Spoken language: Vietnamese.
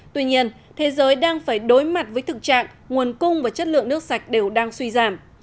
tuy nhiên thế giới đang phải đối mặt với thực trạng nguồn cung và chất lượng nước sạch đều đang suy giảm